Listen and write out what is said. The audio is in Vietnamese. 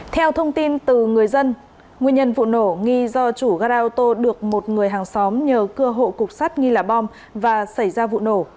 theo thông tin từ người dân nguyên nhân vụ nổ nghi do chủ gara ô tô được một người hàng xóm nhờ cưa hộ cục sắt nghi là bom và xảy ra vụ nổ